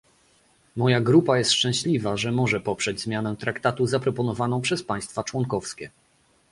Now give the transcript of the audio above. Moja grupa jest szczęśliwa, że może poprzeć zmianę Traktatu zaproponowaną przez państwa członkowskie